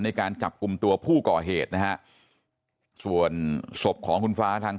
ในการจับกลุ่มตัวผู้ก่อเหตุนะฮะส่วนศพของคุณฟ้าทาง